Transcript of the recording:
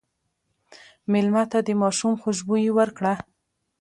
مېلمه ته د ماشوم خوشبويي ورکړه.